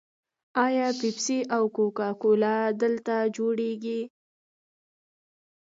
آیا پیپسي او کوکا کولا دلته جوړیږي؟